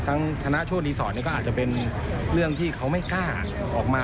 ชนะโชธรีสอร์ทก็อาจจะเป็นเรื่องที่เขาไม่กล้าออกมา